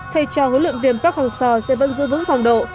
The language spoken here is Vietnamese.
thay cho huấn luyện viên park hong seo sẽ vẫn giữ vững phòng độ